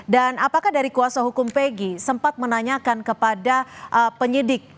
dan apakah dari kuasa hukum peggy sempat menanyakan kepada penyidik